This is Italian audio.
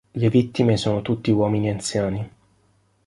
Le vittime sono tutti uomini anziani.